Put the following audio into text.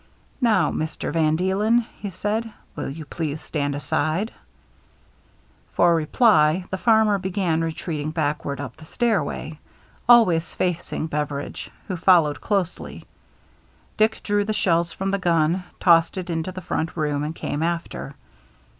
Now, Mister van Dee len," he said, " will you please stand aside ?" For reply the farmer began retreating back ward up the stairway, always facing Beveridge, who followed closely. Dick drew the shells from the gun, tossed it into the front room, and came after.